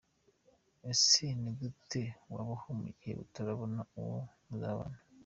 Ese ni gute wabaho mu gihe utarabona uwo muzabana?.